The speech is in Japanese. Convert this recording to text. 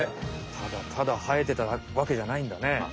ただただはえてたわけじゃないんだね。